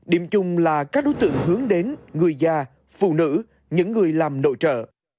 điểm chung là các đối tượng hướng đến người già phụ nữ những người làm nội trợ